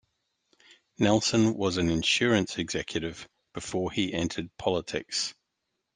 Nelson was an insurance executive before he entered politics.